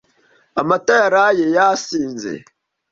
Amata yaraye yasinze.